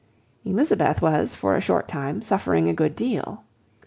Elizabeth was, for a short time, suffering a good deal.